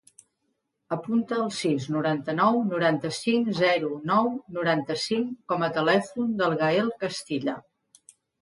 Apunta el sis, noranta-nou, noranta-cinc, zero, nou, noranta-cinc com a telèfon del Gael Castilla.